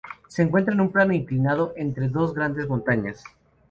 Se encuentra en un plano inclinado, entre dos grandes montañas.